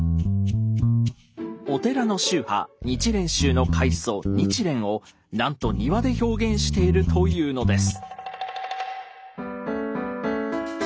お寺の宗派日蓮宗の開祖日蓮をなんと庭で表現しているというのです。